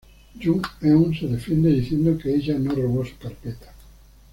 Jung Eun se defiende diciendo que ella no robó su carpeta.